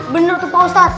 bener tuh pak ustadz